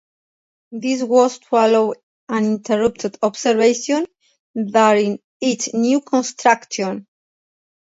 This was to allow uninterrupted observation during each new construction.